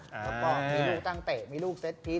แล้วก็มีลูกตั้งเตะมีลูกเซ็ตพีช